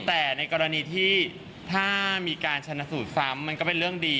แต่ในกรณีที่ถ้ามีการชนะสูตรซ้ำมันก็เป็นเรื่องดี